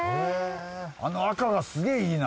あの赤がすげぇいいな。